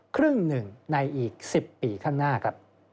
ครึ่งหนึ่งในอีก๑๐ปีข้างหน้าครับ